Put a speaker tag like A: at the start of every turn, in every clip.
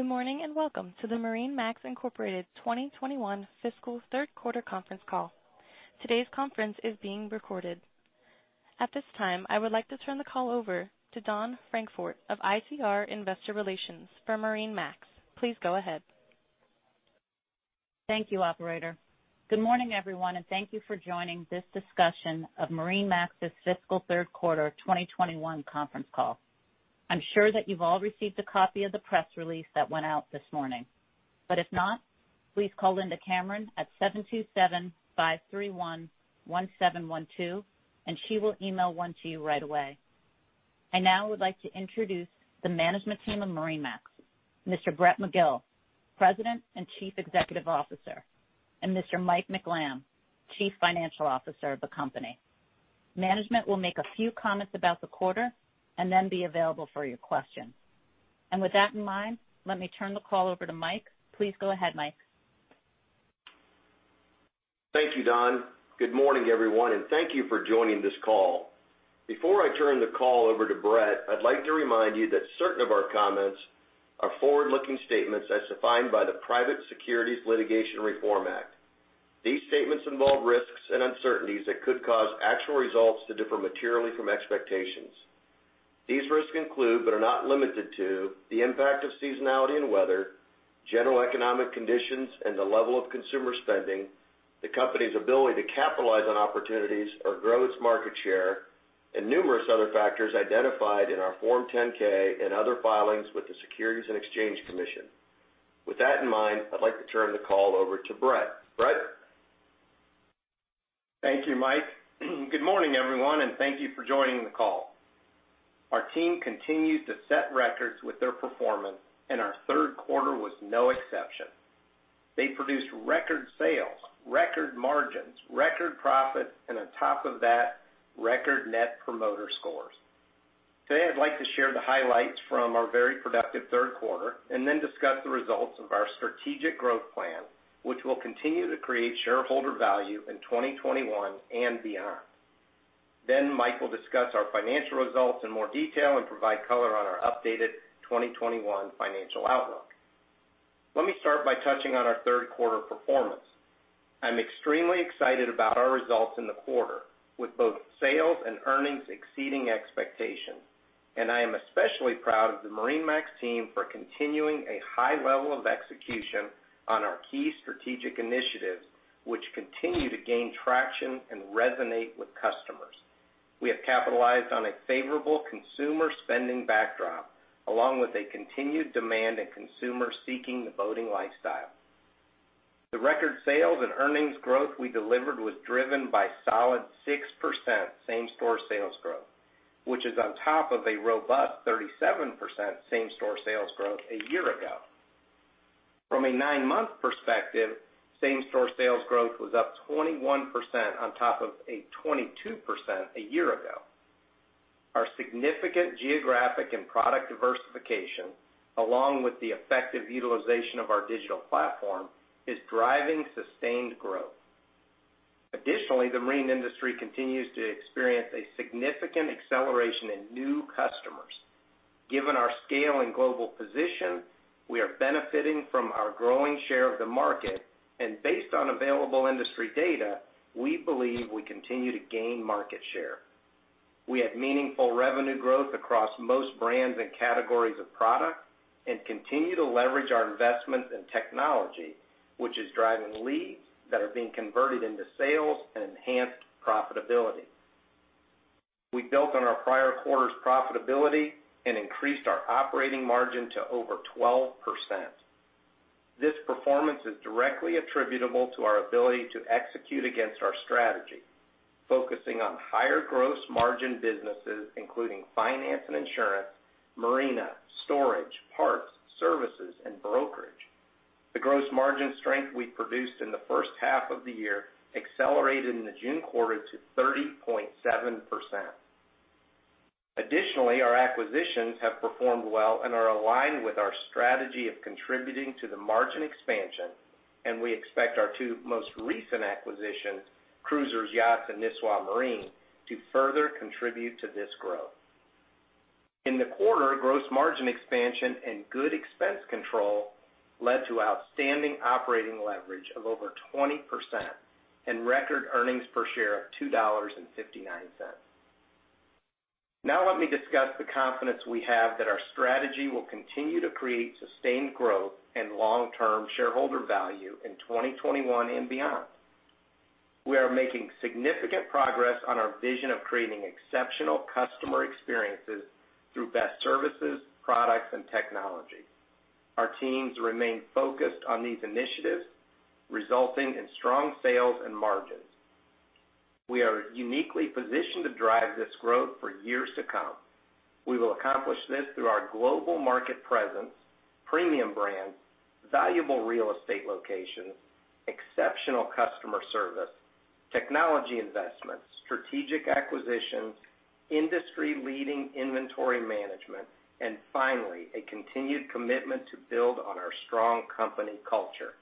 A: Good morning, welcome to the MarineMax Incorporated 2021 fiscal third quarter conference call. Today's conference is being recorded. At this time, I would like to turn the call over to Dawn Francfort of ICR Investor Relations for MarineMax. Please go ahead.
B: Thank you, operator. Good morning, everyone, and thank you for joining this discussion of MarineMax's fiscal third quarter 2021 conference call. I'm sure that you've all received a copy of the press release that went out this morning, but if not, please call Linda Cameron at 727-531-1712, and she will email one to you right away. I now would like to introduce the management team of MarineMax, Mr. Brett McGill, President and Chief Executive Officer, and Mr. Mike McLamb, Chief Financial Officer of the company. Management will make a few comments about the quarter and then be available for your questions. With that in mind, let me turn the call over to Mike. Please go ahead, Mike.
C: Thank you, Dawn. Good morning, everyone, and thank you for joining this call. Before I turn the call over to Brett, I'd like to remind you that certain of our comments are forward-looking statements as defined by the Private Securities Litigation Reform Act. These statements involve risks and uncertainties that could cause actual results to differ materially from expectations. These risks include, but are not limited to, the impact of seasonality and weather, general economic conditions, and the level of consumer spending, the company's ability to capitalize on opportunities or grow its market share, and numerous other factors identified in our Form 10-K and other filings with the Securities and Exchange Commission. With that in mind, I'd like to turn the call over to Brett. Brett?
D: Thank you, Mike. Good morning, everyone. Thank you for joining the call. Our team continues to set records with their performance. Our third quarter was no exception. They produced record sales, record margins, record profits, on top of that, record Net Promoter Scores. Today, I'd like to share the highlights from our very productive third quarter, discuss the results of our strategic growth plan, which will continue to create shareholder value in 2021 and beyond. Mike will discuss our financial results in more detail and provide color on our updated 2021 financial outlook. Let me start by touching on our third quarter performance. I'm extremely excited about our results in the quarter, with both sales and earnings exceeding expectations. I am especially proud of the MarineMax team for continuing a high level of execution on our key strategic initiatives, which continue to gain traction and resonate with customers. We have capitalized on a favorable consumer spending backdrop, along with a continued demand in consumers seeking the boating lifestyle. The record sales and earnings growth we delivered was driven by solid 6% same-store sales growth, which is on top of a robust 37% same-store sales growth a year ago. From a nine-month perspective, same-store sales growth was up 21% on top of a 22% a year ago. Our significant geographic and product diversification, along with the effective utilization of our digital platform, is driving sustained growth. Additionally, the marine industry continues to experience a significant acceleration in new customers. Given our scale and global position, we are benefiting from our growing share of the market, and based on available industry data, we believe we continue to gain market share. We had meaningful revenue growth across most brands and categories of products and continue to leverage our investments in technology, which is driving leads that are being converted into sales and enhanced profitability. We built on our prior quarter's profitability and increased our operating margin to over 12%. This performance is directly attributable to our ability to execute against our strategy, focusing on higher gross margin businesses, including finance and insurance, marina, storage, parts, services, and brokerage. The gross margin strength we produced in the first half of the year accelerated in the June quarter to 30.7%. Additionally, our acquisitions have performed well and are aligned with our strategy of contributing to the margin expansion, and we expect our two most recent acquisitions, Cruisers Yachts and Nisswa Marine, to further contribute to this growth. In the quarter, gross margin expansion and good expense control led to outstanding operating leverage of over 20% and record earnings per share of $2.59. Let me discuss the confidence we have that our strategy will continue to create sustained growth and long-term shareholder value in 2021 and beyond. We are making significant progress on our vision of creating exceptional customer experiences through best services, products, and technology. Our teams remain focused on these initiatives, resulting in strong sales and margins. We are uniquely positioned to drive this growth for years to come. We will accomplish this through our global market presence, premium brands, valuable real estate locations, exceptional customer service, technology investments, strategic acquisitions, industry-leading inventory management, and finally, a continued commitment to build on our strong company culture.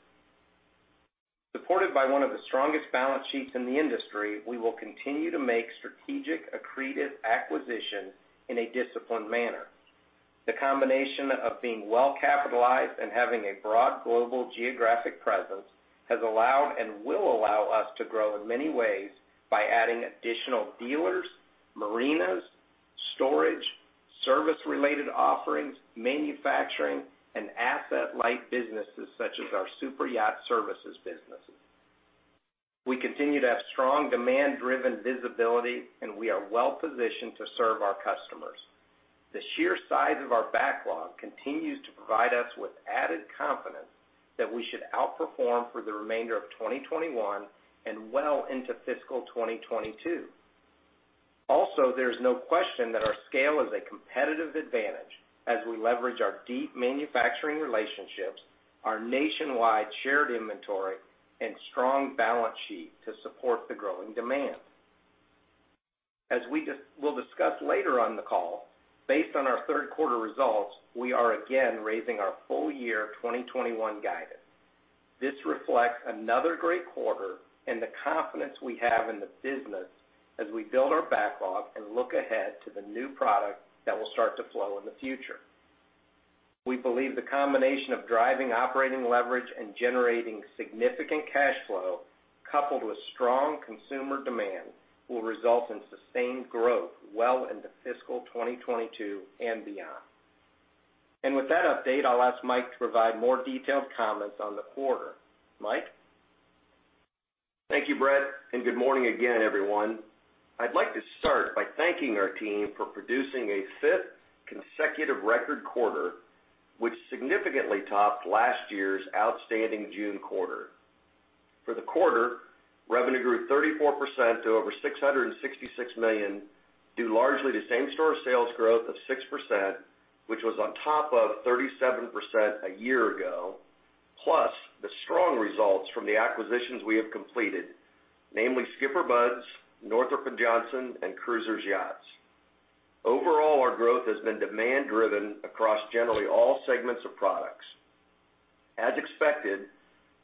D: Supported by one of the strongest balance sheets in the industry, we will continue to make strategic, accretive acquisitions in a disciplined manner. The combination of being well-capitalized and having a broad global geographic presence has allowed and will allow us to grow in many ways by adding additional dealers, marinas, storage, service-related offerings, manufacturing, and asset-light businesses such as our superyacht services businesses. We continue to have strong demand-driven visibility, and we are well-positioned to serve our customers. The sheer size of our backlog continues to provide us with added confidence that we should outperform for the remainder of 2021 and well into fiscal 2022. There's no question that our scale is a competitive advantage as we leverage our deep manufacturing relationships, our nationwide shared inventory, and strong balance sheet to support the growing demand. As we'll discuss later on the call, based on our third quarter results, we are again raising our full year 2021 guidance. This reflects another great quarter and the confidence we have in the business as we build our backlog and look ahead to the new product that will start to flow in the future. We believe the combination of driving operating leverage and generating significant cash flow coupled with strong consumer demand will result in sustained growth well into fiscal 2022 and beyond. With that update, I'll ask Mike to provide more detailed comments on the quarter. Mike?
C: Thank you, Brett. Good morning again, everyone. I'd like to start by thanking our team for producing a fifth consecutive record quarter, which significantly topped last year's outstanding June quarter. For the quarter, revenue grew 34% to over $666 million, due largely to same-store sales growth of 6%, which was on top of 37% a year ago, plus the strong results from the acquisitions we have completed, namely SkipperBud's, Northrop & Johnson, and Cruisers Yachts. Overall, our growth has been demand-driven across generally all segments of products. As expected,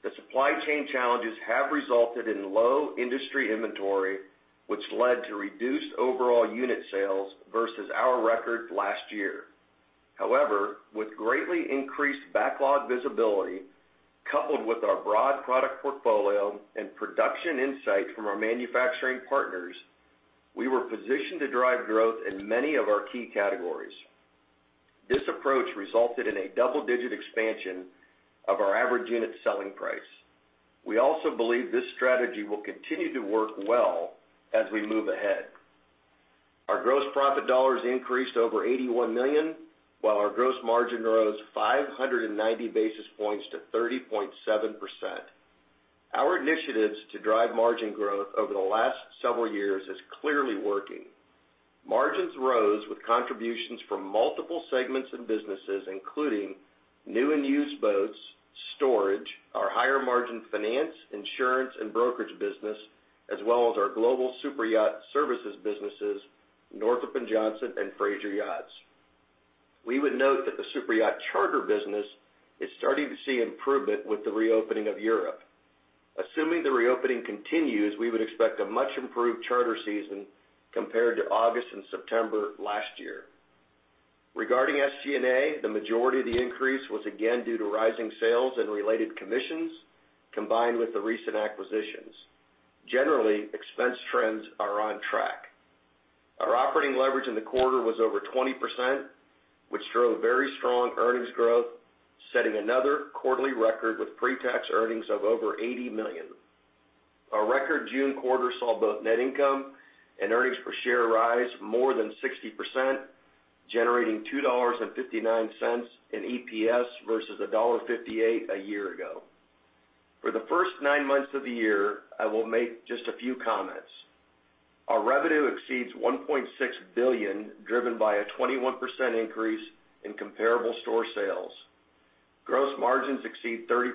C: the supply chain challenges have resulted in low industry inventory, which led to reduced overall unit sales versus our record last year. However, with greatly increased backlog visibility, coupled with our broad product portfolio and production insight from our manufacturing partners, we were positioned to drive growth in many of our key categories. This approach resulted in a double-digit expansion of our average unit selling price. We also believe this strategy will continue to work well as we move ahead. Our gross profit dollars increased over $81 million, while our gross margin rose 590 basis points to 30.7%. Our initiatives to drive margin growth over the last several years is clearly working. Margins rose with contributions from multiple segments and businesses, including new and used boats, storage, our higher margin finance, insurance, and brokerage business, as well as our global superyacht services businesses, Northrop & Johnson and Fraser Yachts. We would note that the superyacht charter business is starting to see improvement with the reopening of Europe. Assuming the reopening continues, we would expect a much-improved charter season compared to August and September last year. Regarding SG&A, the majority of the increase was again due to rising sales and related commissions combined with the recent acquisitions. Generally, expense trends are on track. Our operating leverage in the quarter was over 20%, which drove very strong earnings growth, setting another quarterly record with pre-tax earnings of over $80 million. Our record June quarter saw both net income and earnings per share rise more than 60%, generating $2.59 in EPS versus $1.58 a year ago. For the first nine months of the year, I will make just a few comments. Our revenue exceeds $1.6 billion, driven by a 21% increase in comparable store sales. Gross margins exceed 30%.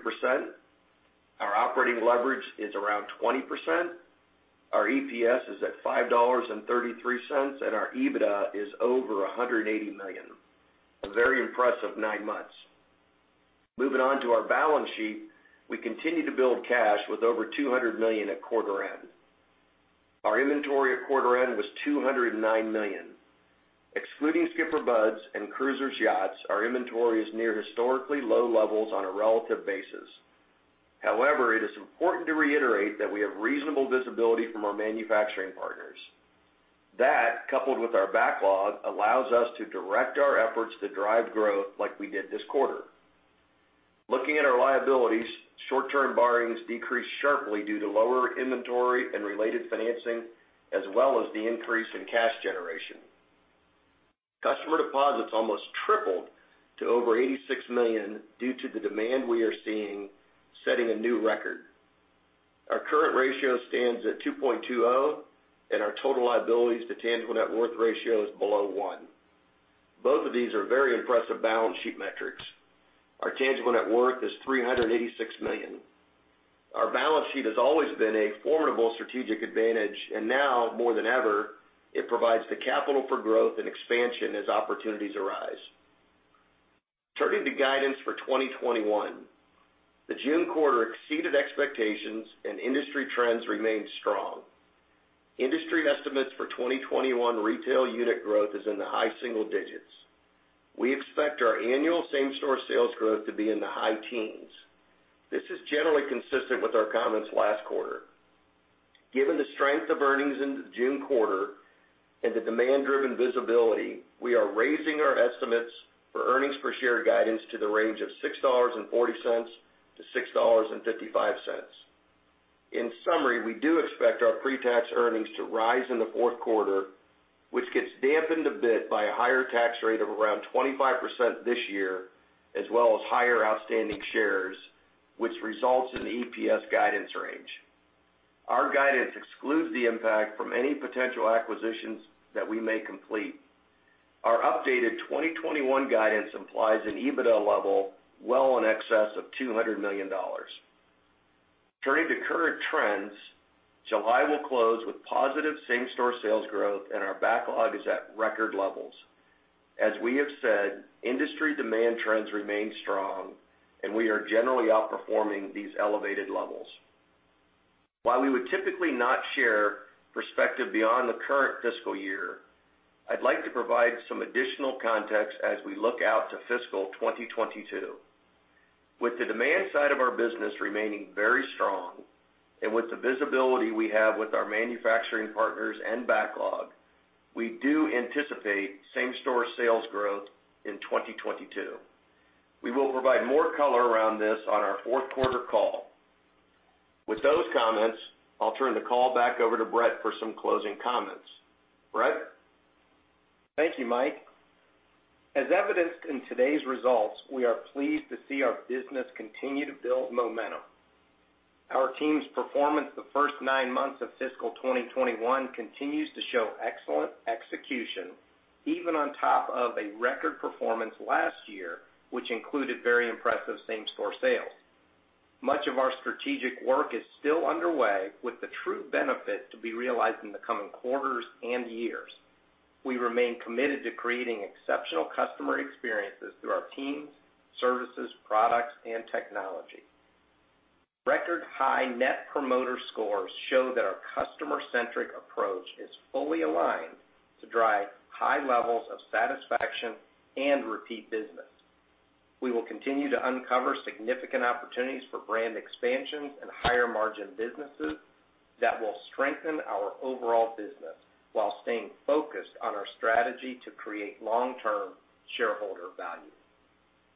C: Our operating leverage is around 20%. Our EPS is at $5.33, and our EBITDA is over $180 million. A very impressive nine months. Moving on to our balance sheet. We continue to build cash with over $200 million at quarter end. Our inventory at quarter end was $209 million. Excluding SkipperBud's and Cruisers Yachts, our inventory is near historically low levels on a relative basis. However, it is important to reiterate that we have reasonable visibility from our manufacturing partners. That, coupled with our backlog, allows us to direct our efforts to drive growth like we did this quarter. Looking at our liabilities, short-term borrowings decreased sharply due to lower inventory and related financing, as well as the increase in cash generation. Customer deposits almost tripled to over $86 million due to the demand we are seeing, setting a new record. Our current ratio stands at 2.20x, and our total liabilities to tangible net worth ratio is below 1x. Both of these are very impressive balance sheet metrics. Our tangible net worth is $386 million. Our balance sheet has always been a formidable strategic advantage, and now more than ever, it provides the capital for growth and expansion as opportunities arise. Turning to guidance for 2021. The June quarter exceeded expectations and industry trends remained strong. Industry estimates for 2021 retail unit growth is in the high single digits. We expect our annual same-store sales growth to be in the high teens. This is generally consistent with our comments last quarter. Given the strength of earnings in the June quarter and the demand-driven visibility, we are raising our estimates for earnings per share guidance to the range of $6.40-$6.55. In summary, we do expect our pre-tax earnings to rise in the fourth quarter, which gets dampened a bit by a higher tax rate of around 25% this year, as well as higher outstanding shares, which results in the EPS guidance range. Our guidance excludes the impact from any potential acquisitions that we may complete. Our updated 2021 guidance implies an EBITDA level well in excess of $200 million. Turning to current trends, July will close with positive same-store sales growth and our backlog is at record levels. As we have said, industry demand trends remain strong, and we are generally outperforming these elevated levels. While we would typically not share perspective beyond the current fiscal year, I'd like to provide some additional context as we look out to fiscal 2022. With the demand side of our business remaining very strong, and with the visibility we have with our manufacturing partners and backlog, we do anticipate same-store sales growth in 2022. We will provide more color around this on our fourth quarter call. With those comments, I'll turn the call back over to Brett for some closing comments. Brett?
D: Thank you, Mike. As evidenced in today's results, we are pleased to see our business continue to build momentum. Our team's performance the first nine months of fiscal 2021 continues to show excellent execution, even on top of a record performance last year, which included very impressive same-store sales. Much of our strategic work is still underway, with the true benefit to be realized in the coming quarters and years. We remain committed to creating exceptional customer experiences through our teams, services, products and technology. Record high Net Promoter scores show that our customer-centric approach is fully aligned to drive high levels of satisfaction and repeat business. We will continue to uncover significant opportunities for brand expansions and higher margin businesses that will strengthen our overall business while staying focused on our strategy to create long-term shareholder value.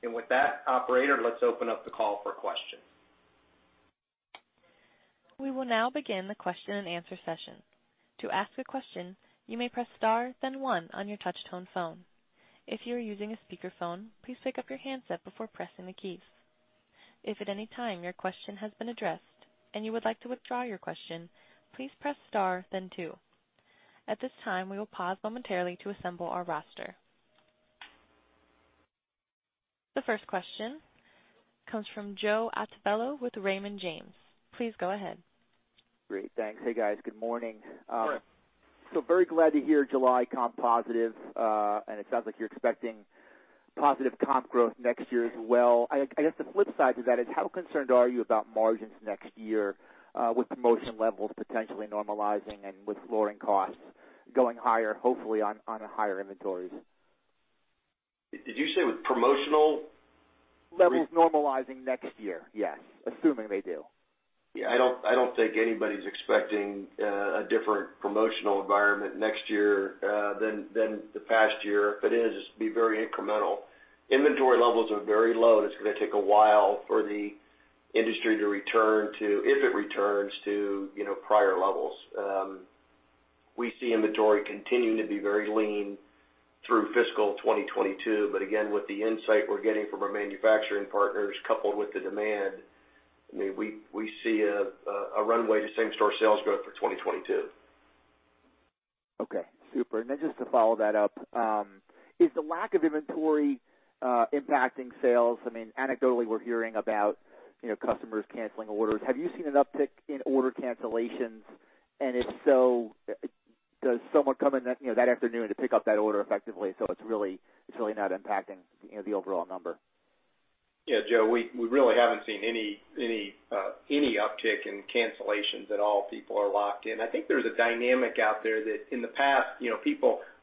D: With that, operator, let's open up the call for questions.
A: We will now begin the question and answer session. To ask a question, you may press star then one on your touch tone phone. If you are using a speakerphone, please pick up your handset before pressing the keys. If at any time your question has been addressed and you would like to withdraw your question, please press star then two. At this time we will pause momentarily to assemble our roster. The first question comes from Joe Altobello with Raymond James. Please go ahead.
E: Great. Thanks. Hey, guys. Good morning.
C: Good morning.
E: Very glad to hear July comp positive, and it sounds like you're expecting positive comp growth next year as well. I guess the flip side to that is how concerned are you about margins next year, with promotion levels potentially normalizing and with flooring costs going higher, hopefully, on higher inventories?
C: Did you say with promotional?
E: Levels normalizing next year, yes. Assuming they do.
C: Yeah, I don't think anybody's expecting a different promotional environment next year than the past year. If it is, it'd be very incremental. Inventory levels are very low and it's going to take a while for the industry to return to, if it returns, to prior levels. We see inventory continuing to be very lean through fiscal 2022. Again, with the insight we're getting from our manufacturing partners coupled with the demand, we see a runway to same-store sales growth for 2022.
E: Okay. Super. Just to follow that up, is the lack of inventory impacting sales? Anecdotally, we are hearing about customers canceling orders. Have you seen an uptick in order cancellations? If so, does someone come in that afternoon to pick up that order effectively, so it is really not impacting the overall number?
C: Yeah, Joe, we really haven't seen any uptick in cancellations at all. People are locked in. I think there's a dynamic out there that in the past,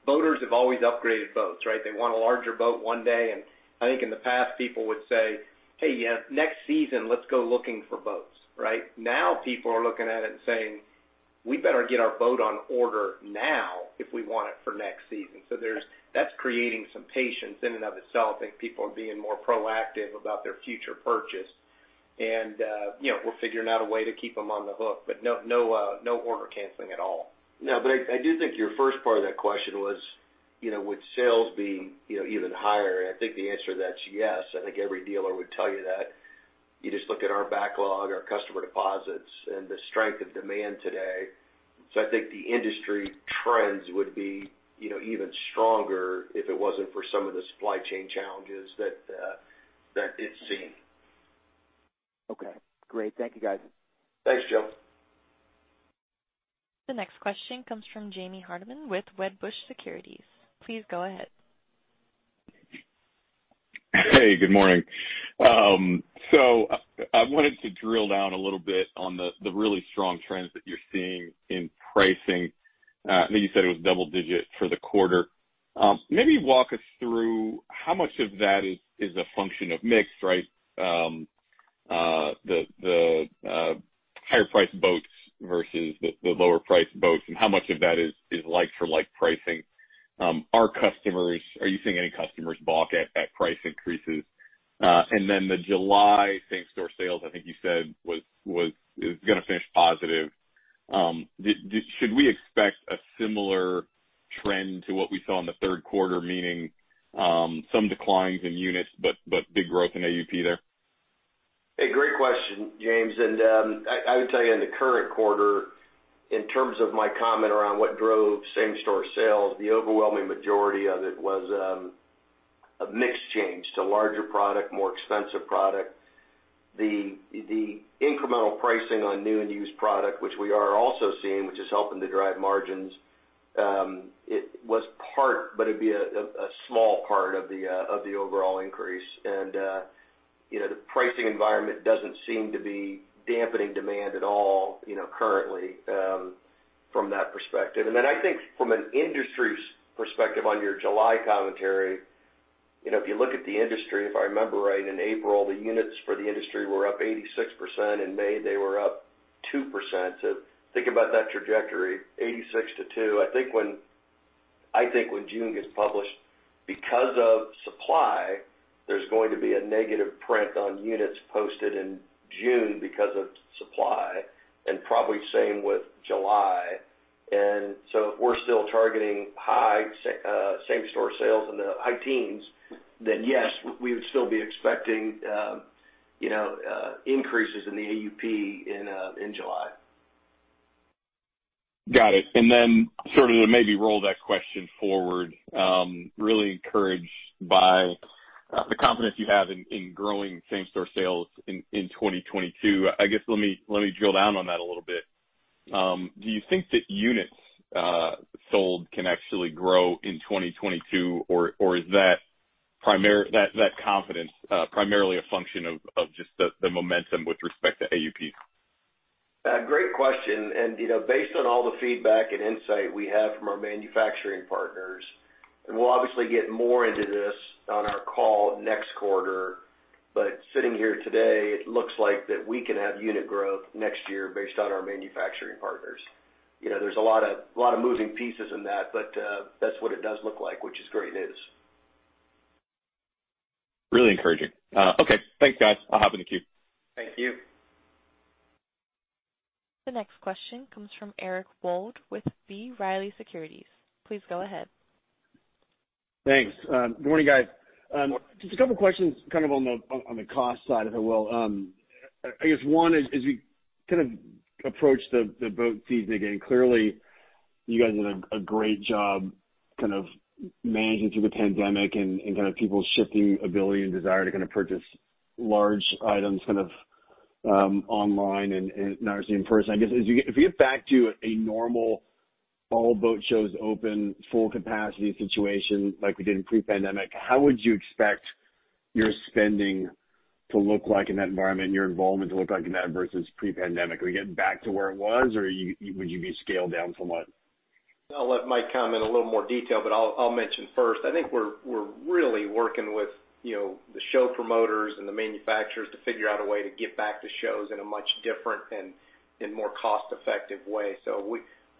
C: boaters have always upgraded boats, right? They want a larger boat one day. I think in the past, people would say, "Hey, yeah, next season, let's go looking for boats," right? Now, people are looking at it and saying, "We better get our boat on order now if we want it for next season." That's creating some patience in and of itself. I think people are being more proactive about their future purchase. We're figuring out a way to keep them on the hook, but no order canceling at all.
D: No, but I do think your first part of that question was would sales be even higher? I think the answer to that's yes. I think every dealer would tell you that. You just look at our backlog, our customer deposits, and the strength of demand today. I think the industry trends would be even stronger if it wasn't for some of the supply chain challenges that it's seeing.
E: Okay, great. Thank you, guys.
C: Thanks, Joe.
A: The next question comes from Jamie Hardiman with Wedbush Securities. Please go ahead.
F: Hey, good morning. I wanted to drill down a little bit on the really strong trends that you're seeing in pricing. I think you said it was double digit for the quarter. Maybe walk us through how much of that is a function of mix, right? The higher priced boats versus the lower priced boats, how much of that is like for like pricing. Are you seeing any customers balk at price increases? The July same-store sales, I think you said, is going to finish positive. Should we expect a similar trend to what we saw in the third quarter, meaning, some declines in units but big growth in AUP there?
C: Great question, James. I would tell you in the current quarter, in terms of my comment around what drove same-store sales, the overwhelming majority of it was a mix change to larger product, more expensive product. The incremental pricing on new and used product, which we are also seeing, which is helping to drive margins, it was part, but it would be a small part of the overall increase. The pricing environment doesn't seem to be dampening demand at all currently from that perspective. I think from an industry perspective on your July commentary, if you look at the industry, if I remember right, in April, the units for the industry were up 86%. In May, they were up 2%. So think about that trajectory, 86% to 2%. I think when June gets published, because of supply, there's going to be a negative print on units posted in June because of supply, and probably same with July. If we're still targeting high same-store sales in the high teens, then yes, we would still be expecting increases in the AUP in July.
F: Got it. Then sort of to maybe roll that question forward, really encouraged by the confidence you have in growing same-store sales in 2022. I guess, let me drill down on that a little bit. Do you think that units sold can actually grow in 2022, or is that confidence primarily a function of just the momentum with respect to AUP?
C: Great question. Based on all the feedback and insight we have from our manufacturing partners, and we'll obviously get more into this on our call next quarter, but sitting here today, it looks like that we can have unit growth next year based on our manufacturing partners. There's a lot of moving pieces in that, but that's what it does look like, which is great news.
F: Really encouraging. Okay, thanks, guys. I'll hop in the queue.
C: Thank you.
A: The next question comes from Eric Wold with B. Riley Securities. Please go ahead.
G: Thanks. Good morning, guys. Just a couple of questions kind of on the cost side, if I will. I guess one is, as we kind of approach the boat season again, clearly you guys did a great job kind of managing through the pandemic and kind of people shifting ability and desire to kind of purchase large items kind of online and not necessarily in person. I guess if you get back to a normal all boat shows open full capacity situation like we did in pre-pandemic, how would you expect your spending to look like in that environment and your involvement to look like in that versus pre-pandemic? Are we getting back to where it was or would you be scaled down somewhat?
D: I'll let Mike comment in a little more detail, but I'll mention first, I think we're really working with the show promoters and the manufacturers to figure out a way to get back to shows in a much different and more cost-effective way.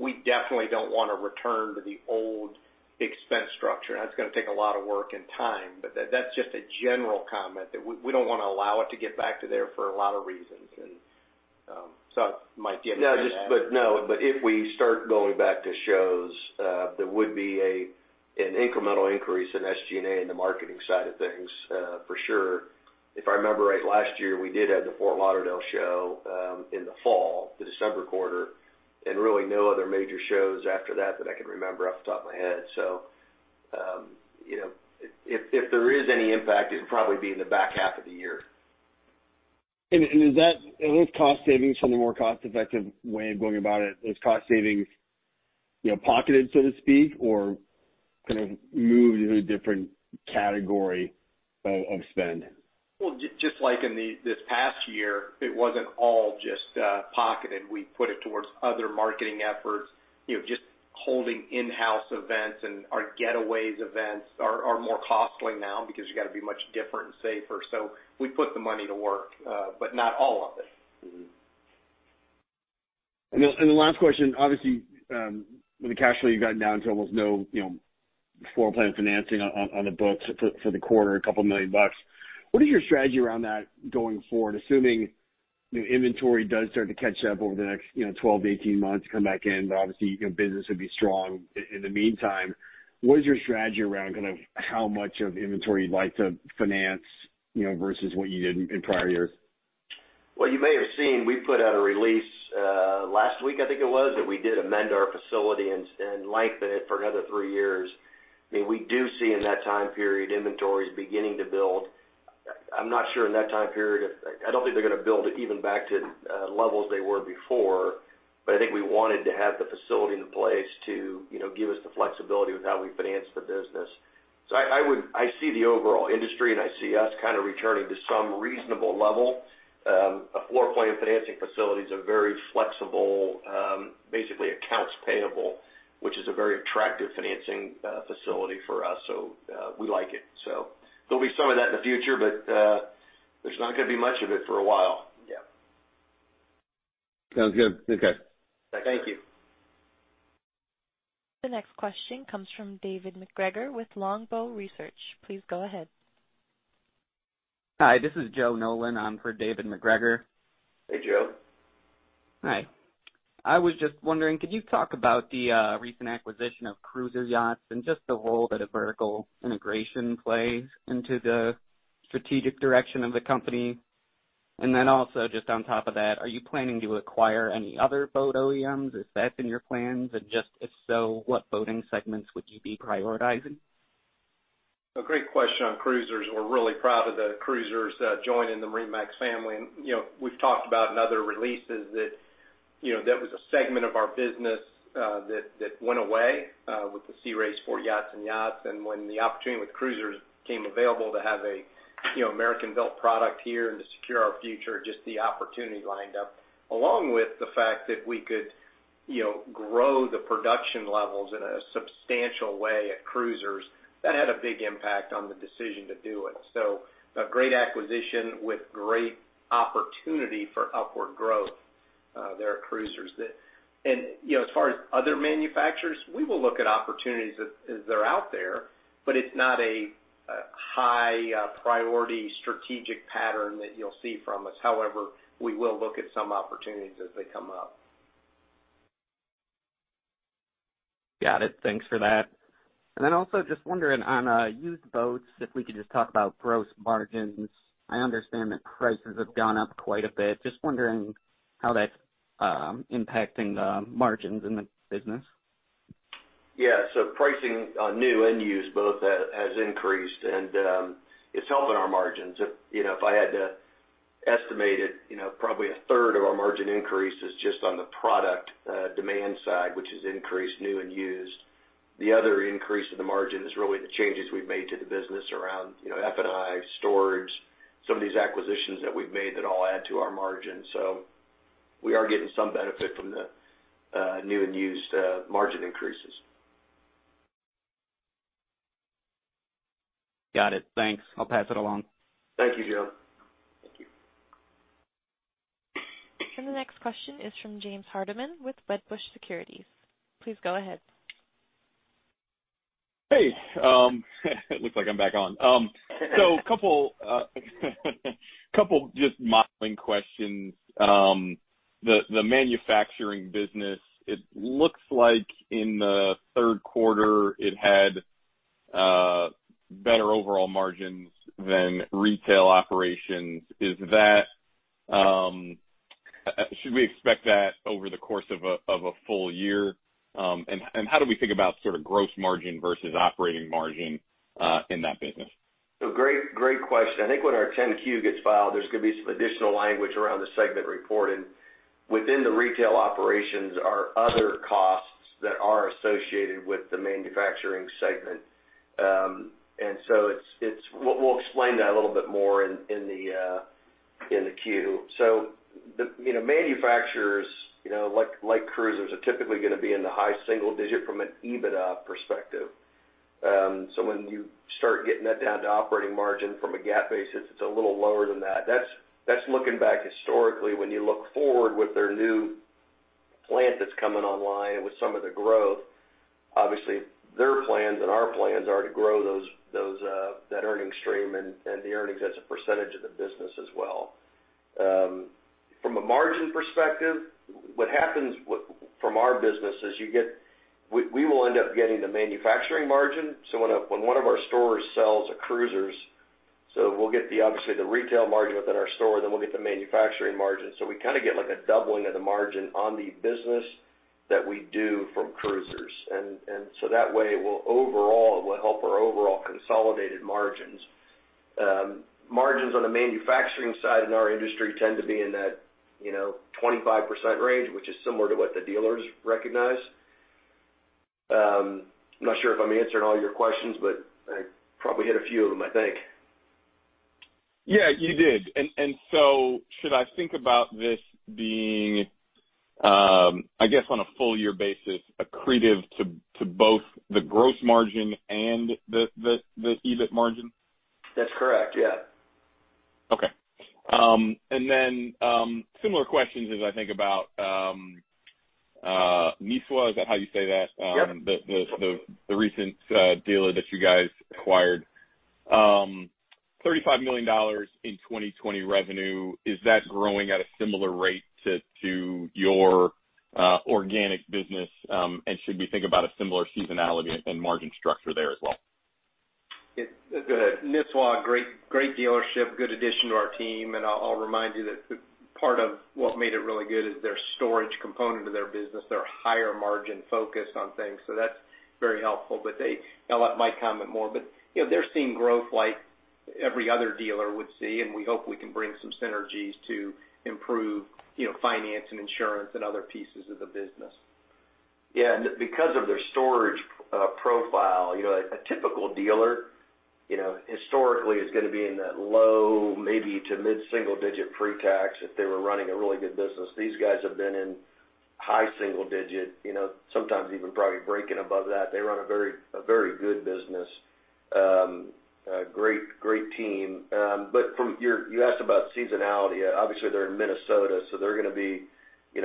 D: We definitely don't want to return to the old expense structure. That's going to take a lot of work and time, but that's just a general comment that we don't want to allow it to get back to there for a lot of reasons. Mike, do you want to add to that?
C: No, if we start going back to shows, there would be an incremental increase in SG&A in the marketing side of things for sure. If I remember right, last year, we did have the Fort Lauderdale show in the fall, the December quarter, and really no other major shows after that that I can remember off the top of my head. If there is any impact, it would probably be in the back half of the year.
G: With cost savings from the more cost-effective way of going about it, those cost savings pocketed, so to speak, or kind of moved to a different category of spend?
D: Well, just like in this past year, it wasn't all just pocketed. We put it towards other marketing efforts, just holding in-house events and our getaways events are more costly now because you got to be much different and safer. We put the money to work, but not all of it.
G: The last question, obviously, with the cash flow, you've gotten down to almost no floor plan financing on the books for the quarter, a couple million dollars. What is your strategy around that going forward? Assuming inventory does start to catch up over the next 12-18 months, come back in, but obviously, business would be strong in the meantime. What is your strategy around kind of how much of inventory you'd like to finance versus what you did in prior years?
C: You may have seen, we put out a release, last week, I think it was, that we did amend our facility and lengthen it for another three years. I mean, we do see in that time period, inventories beginning to build. I'm not sure in that time period, I don't think they're going to build even back to levels they were before. I think we wanted to have the facility in place to give us the flexibility with how we finance the business. I see the overall industry, and I see us kind of returning to some reasonable level. A floor plan financing facility is a very flexible, basically accounts payable, which is a very attractive financing facility for us. We like it. There'll be some of that in the future, but there's not going to be much of it for a while. Yeah.
G: Sounds good. Okay.
C: Thank you.
A: The next question comes from David MacGregor with Longbow Research. Please go ahead.
H: Hi, this is Joe Nolan. I'm for David MacGregor.
C: Hey, Joe.
H: Hi. I was just wondering, could you talk about the recent acquisition of Cruisers Yachts and just the role that a vertical integration plays into the strategic direction of the company? Also, just on top of that, are you planning to acquire any other boat OEMs? Is that in your plans? Just if so, what boating segments would you be prioritizing?
D: A great question on Cruisers. We're really proud of the Cruisers joining the MarineMax family. We've talked about in other releases that was a segment of our business that went away with the Sea Ray sport yachts and yachts. When the opportunity with Cruisers became available to have an American-built product here and to secure our future, just the opportunity lined up, along with the fact that we could grow the production levels in a substantial way at Cruisers. That had a big impact on the decision to do it. A great acquisition with great opportunity for upward growth there at Cruisers. As far as other manufacturers, we will look at opportunities as they're out there, but it's not a high-priority strategic pattern that you'll see from us. However, we will look at some opportunities as they come up.
H: Got it. Thanks for that. Also just wondering on used boats, if we could just talk about gross margins. I understand that prices have gone up quite a bit. Just wondering how that's impacting margins in the business.
C: Yeah. Pricing on new and used both has increased, and it's helping our margins. If I had to estimate it, probably a third of our margin increase is just on the product demand side, which has increased new and used. The other increase in the margin is really the changes we've made to the business around F&I, storage, some of these acquisitions that we've made that all add to our margin. We are getting some benefit from the new and used margin increases.
H: Got it. Thanks. I'll pass it along.
C: Thank you, Joe.
D: Thank you.
A: The next question is from James Hardiman with Wedbush Securities. Please go ahead.
F: Hey. Looks like I'm back on. Couple just modeling questions. The manufacturing business, it looks like in the third quarter it had better overall margins than retail operations. Should we expect that over the course of a full year? How do we think about sort of gross margin versus operating margin in that business?
C: Great question. I think when our 10-Q gets filed, there's going to be some additional language around the segment reported. Within the retail operations are other costs that are associated with the manufacturing segment. We'll explain that a little bit more in the Q. Manufacturers, like Cruisers, are typically going to be in the high single-digit from an EBITDA perspective. When you start getting that down to operating margin from a GAAP basis, it's a little lower than that. That's looking back historically. When you look forward with their new plant that's coming online with some of the growth, obviously their plans and our plans are to grow that earnings stream and the earnings as a percentage of the business as well. From a margin perspective, what happens from our business is we will end up getting the manufacturing margin. When one of our stores sells a Cruisers, we'll get obviously the retail margin within our store, then we'll get the manufacturing margin. We kind of get like a doubling of the margin on the business that we do from Cruisers. That way, overall, it will help our overall consolidated margins. Margins on the manufacturing side in our industry tend to be in that 25% range, which is similar to what the dealers recognize. I'm not sure if I'm answering all your questions, but I probably hit a few of them, I think.
F: Yeah, you did. Should I think about this being, I guess, on a full-year basis, accretive to both the gross margin and the EBIT margin?
C: That's correct. Yeah.
F: Okay. Similar questions as I think about Nisswa, is that how you say that?
C: Yep.
F: The recent dealer that you guys acquired. $35 million in 2020 revenue. Is that growing at a similar rate to your organic business? Should we think about a similar seasonality and margin structure there as well?
D: Nisswa Marine, great dealership, good addition to our team. I'll remind you that part of what made it really good is their storage component of their business, their higher margin focus on things. That's very helpful. I'll let Mike comment more, but they're seeing growth like every other dealer would see, and we hope we can bring some synergies to improve finance and insurance and other pieces of the business.
C: Yeah. Because of their storage profile, a typical dealer historically is going to be in that low, maybe to mid-single digit pre-tax if they were running a really good business. These guys have been in high single digit, sometimes even probably breaking above that. They run a very good business. A great team. You asked about seasonality. Obviously, they're in Minnesota, so they're going to be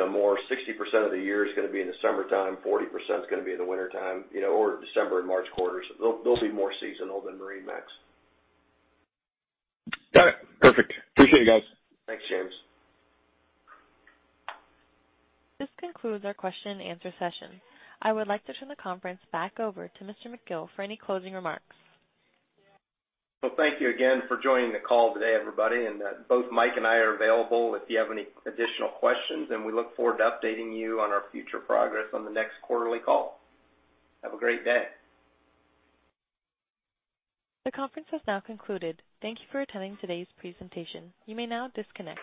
C: more 60% of the year is going to be in the summertime, 40% is going to be in the wintertime, or December and March quarters. They'll be more seasonal than MarineMax.
F: Got it. Perfect. Appreciate it, guys.
C: Thanks, James.
A: This concludes our question and answer session. I would like to turn the conference back over to Mr. McGill for any closing remarks.
D: Well, thank you again for joining the call today, everybody. Both Mike and I are available if you have any additional questions, and we look forward to updating you on our future progress on the next quarterly call. Have a great day.
A: The conference has now concluded. Thank you for attending today's presentation. You may now disconnect.